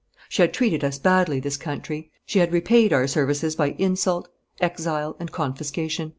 She had treated us badly, this country; she had repaid our services by insult, exile, and confiscation.